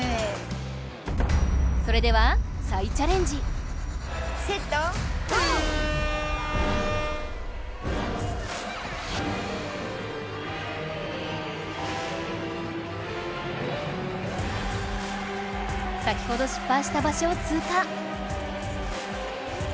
それではセット先ほど失敗した場所を通過！